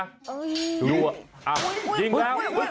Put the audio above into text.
อ้าวจิงแล้ว